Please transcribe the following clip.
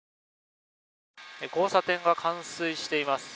交差点が冠水しています。